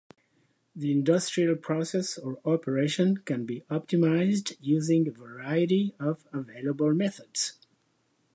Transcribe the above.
The industrial process or operation can be optimized using a variety of available methods.